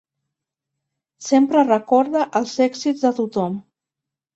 Sempre recorda els èxits de tothom.